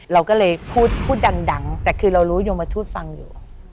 เราก็เลยพูดพูดดังแต่คือเรารู้ยมทูตฟังอยู่